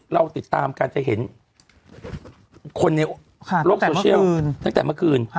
เราติดตามกันจะเห็นคนในโลกโซเชียลตั้งแต่เมื่อคืน